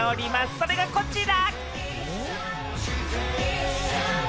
それが、こちら。